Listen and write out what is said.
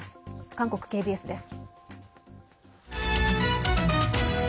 韓国ＫＢＳです。